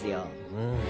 うん。